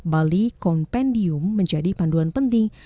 balik kompendium menjadi panduan penting